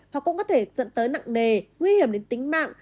hoặc cũng có thể dẫn tới nặng nề nguy hiểm đến tính mạng